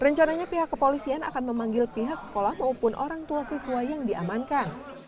rencananya pihak kepolisian akan memanggil pihak sekolah maupun orang tua siswa yang diamankan